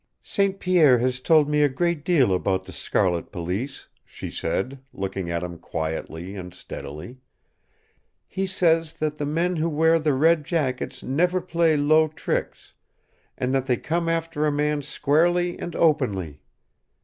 "St. Pierre has told me a great deal about the Scarlet Police," she said, looking at him quietly and steadily. "He says that the men who wear the red jackets never play low tricks, and that they come after a man squarely and openly.